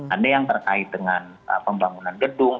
ada yang terkait dengan pembangunan gedung